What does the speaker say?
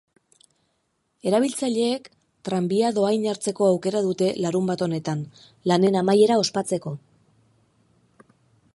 Erabiltzaileek tranbia doan hartzeko aukera dute larunbat honetan, lanen amaiera ospatzeko.